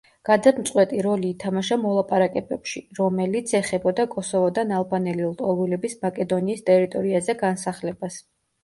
გადამწყვეტი როლი ითამაშა მოლაპარაკებებში, რომელიც ეხებოდა კოსოვოდან ალბანელი ლტოლვილების მაკედონიის ტერიტორიაზე განსახლებას.